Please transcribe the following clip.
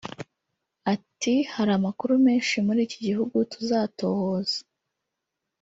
Ati “Hari amakuru menshi muri iki gihugu tuzatohoza